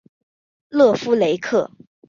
勒夫雷克。